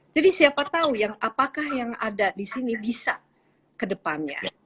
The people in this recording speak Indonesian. jadi siapa tahu apakah yang ada di sini bisa kedepannya